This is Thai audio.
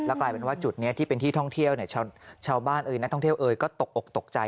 กลายเป็นว่าจุดนี้ที่เป็นที่ท่องเที่ยวเนี่ยชาวบ้านเอ่ยนักท่องเที่ยวเอยก็ตกอกตกใจ